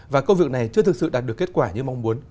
và công việc này chưa thực sự đạt được kết quả như mong muốn